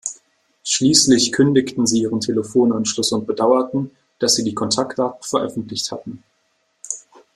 Schließlich kündigten sie ihren Telefonanschluss und bedauerten, dass sie die Kontaktdaten veröffentlicht hatten.